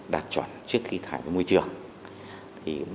đạt chuẩn trước khi thải môi trường